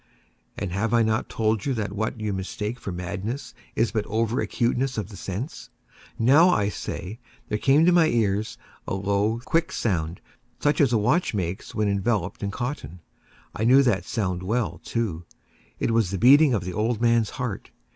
And have I not told you that what you mistake for madness is but over acuteness of the sense?—now, I say, there came to my ears a low, dull, quick sound, such as a watch makes when enveloped in cotton. I knew that sound well, too. It was the beating of the old man's heart.